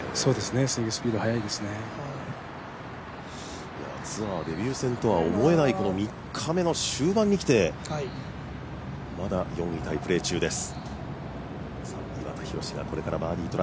スイングスピード速いですねツアーデビュー戦とは思えないぐらいの３日目の終盤に来てまだ４位タイプレー中です。